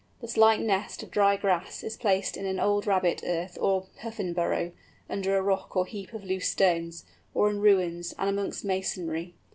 The slight nest of dry grass is placed in an old rabbit earth or Puffin burrow, under a rock or heap of loose stones, or in ruins, and amongst masonry.